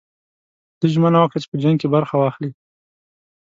ده ژمنه وکړه چې په جنګ کې برخه واخلي.